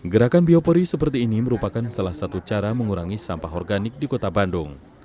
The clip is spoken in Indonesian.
gerakan biopori seperti ini merupakan salah satu cara mengurangi sampah organik di kota bandung